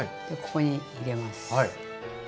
ここに入れます。